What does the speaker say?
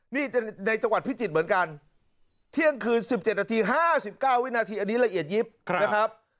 นี่ในจังหวัดพิจิตรเหมือนกันเที่ยงคืน๑๗นาที๕๙วินาทีอันนี้ละเอียดยิบนะครับ